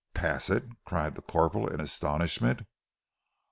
"Pass it?" cried the corporal in astonishment.